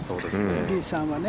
リさんはね。